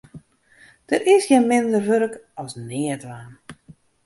Der is gjin minder wurk as neatdwaan.